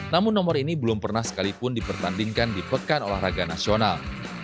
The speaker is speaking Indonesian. namun nomor ini belum pernah sekalipun dipertandingkan di pekan olahraga nasional